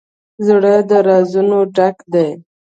زړه د رازونو ډک دی.